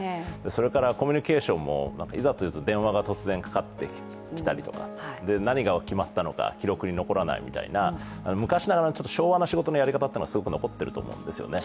それからコミュニケーションも、いざというと電話が突然かかってきたりとか、何が決まったのか、記録に残らないみたいな昔ながらの昭和な仕事のやり方はすごく残っていると思うんですよね。